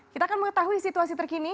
kita akan mengetahui situasi terkini